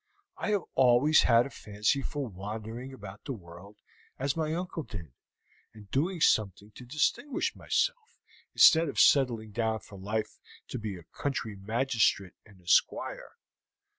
I have always had a fancy for wandering about the world, as my uncle did, and doing something to distinguish myself, instead of settling down for life to be a country magistrate and a squire.